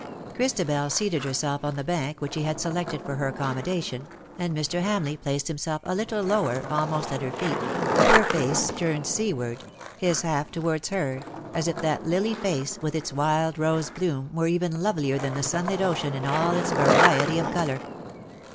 Christabel seated herself on the bank which he had selected for her accommodation, and Mr. Hamleigh placed himself a little lower, almost at her feet, her face turned seaward, his half towards her, as if that lily face, with its wild rose bloom, were even lovelier than the sunlit ocean in all its variety of colour.